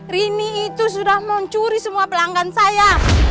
rini itu sudah mau curi semua pelanggan saya